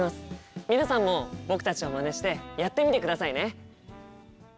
皆さんも僕たちをまねしてやってみてくださいね。